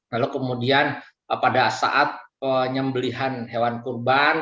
lalu kemudian pada saat penyembelihan hewan kurban